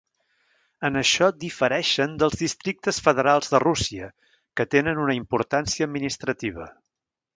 En això difereixen dels districtes federals de Rússia que tenen una importància administrativa.